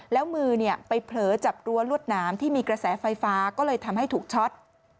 แล้วมือไปเผลอจับรั้วลวดหนามที่มีกระแสไฟฟ้าก็เลยทำให้ถูกช็อต